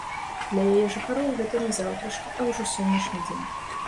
Для яе жыхароў гэта не заўтрашні, а ўжо сённяшні дзень.